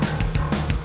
panggil kan aku